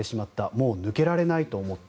もう抜けられないと思った。